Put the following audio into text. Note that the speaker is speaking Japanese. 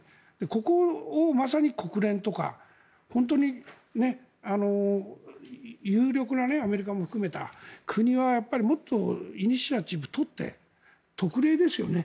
ここをまさに国連とか本当にアメリカも含めた有力な国はもっとイニシアチブを取って特例ですよね。